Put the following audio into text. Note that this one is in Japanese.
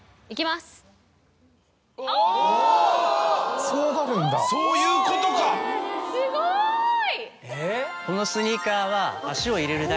すごい。